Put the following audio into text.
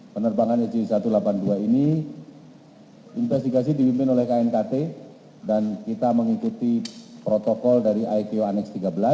penerbangan sj satu ratus delapan puluh dua ini investigasi dipimpin oleh knkt dan kita mengikuti protokol dari iko aneks tiga belas